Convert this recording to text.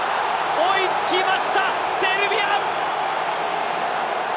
追い付きましたセルビア。